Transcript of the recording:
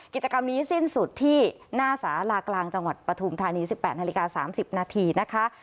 กิจกรรมนี้สิ้นสุดที่หน้าสาลากลางจังหวัดปฐุมธานี๑๘นาฬิกา๓๐นาทีนะคะ